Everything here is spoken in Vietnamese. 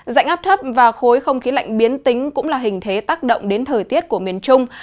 dạnh áp thấp và khối không khí lạnh biến tính cũng là hình thế tác động đến thời tiết của miền trung